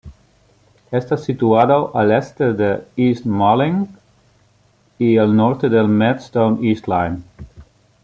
Está situado al este de East Malling, y al norte del Maidstone East Line.